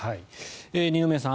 二宮さん